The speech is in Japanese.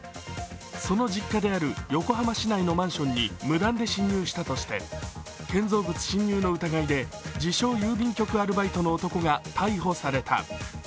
その実家である横浜市内のマンションに無断で侵入したとして建造物侵入の疑いで、自称・郵便局アルバイトの男が逮捕された。